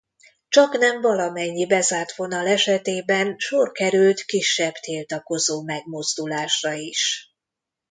Csaknem valamennyi bezárt vonal esetében sor került kisebb tiltakozó megmozdulásra is.